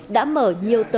đã mở nhiều tờ khẩn